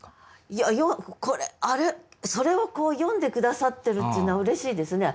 いやこれあれそれをこう詠んで下さってるっていうのはうれしいですね。